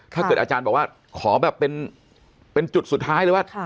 ถ้าเกิดอาจารย์บอกว่าขอแบบเป็นจุดสุดท้ายเลยว่า